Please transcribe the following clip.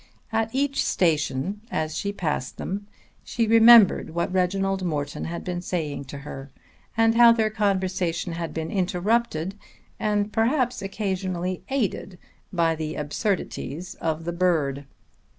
At each station as she passed them she remembered what Reginald Morton had been saying to her, and how their conversation had been interrupted, and perhaps occasionally aided, by the absurdities of the bird.